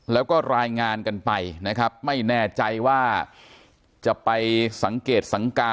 แล้วก็รายงานกันไปนะครับไม่แน่ใจว่าจะไปสังเกตสังกา